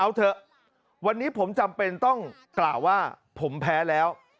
เอาเถอะวันนี้ผมจำเป็นต้องกล่าวว่าผมแพ้แล้ว